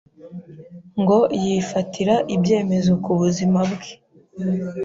ngo yifatira ibyemezo ku buzima bwe,